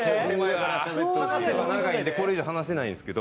話せば長いのでこれ以上話せないんですけど。